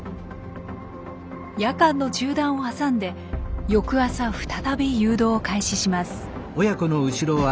夜間の中断を挟んで翌朝再び誘導を開始します。